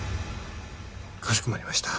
かしこまりました